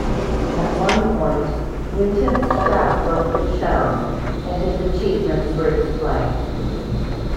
At one point, Winton's scrapbook was shown and his achievements were explained.